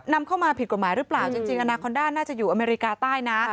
นำเข้ามาผิดกฎหมายหรือเปล่าจริงอนาคอนด้าน่าจะอยู่อเมริกาใต้นะ